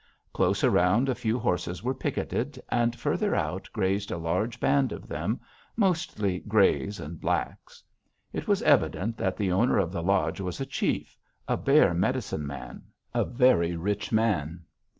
Close around a few horses were picketed, and farther out grazed a large band of them, mostly grays and blacks. It was evident that the owner of the lodge was a chief, a bear medicine man, a very rich man.